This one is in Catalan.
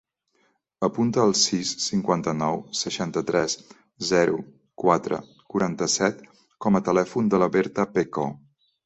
Apunta el sis, cinquanta-nou, seixanta-tres, zero, quatre, quaranta-set com a telèfon de la Berta Peco.